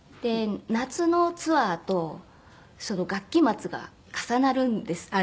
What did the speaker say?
夏のツアーと学期末が重なるんです。